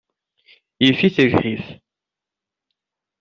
Yif-it lḥif.